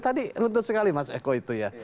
tadi runtut sekali mas eko itu ya